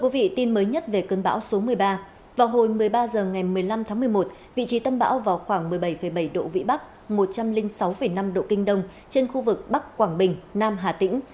vị trí tâm bão vào khoảng một mươi bảy bảy độ vĩ bắc một trăm linh sáu năm độ kinh đông trên khu vực bắc quảng bình nam hà tĩnh